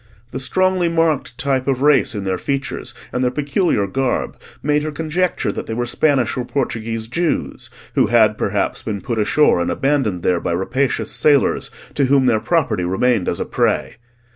The strongly marked type of race in their features, and their peculiar garb, made her conjecture that they were Spanish or Portuguese Jews, who had perhaps been put ashore and abandoned there by rapacious sailors, to whom their property remained as a prey.